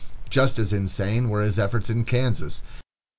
Just as insane were his efforts in Kansas.